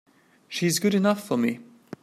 She's good enough for me!